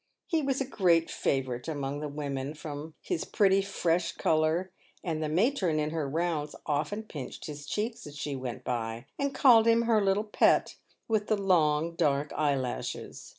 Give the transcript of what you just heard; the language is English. He was a great favourite among the women, from his pretty fresh colour ; and the matron, in her rounds, often pinched his cheeks as she went by, and called him her little pet, with the long, dark eyelashes.